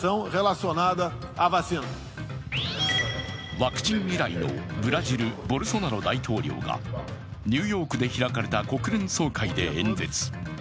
ワクチン嫌いのブラジル、ボルソナロ大統領が、ニューヨークで開かれた国連総会で演説。